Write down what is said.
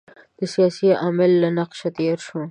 د سیاسي عامل له نقشه تېر شو.